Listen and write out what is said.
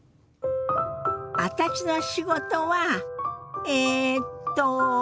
私の仕事はえっと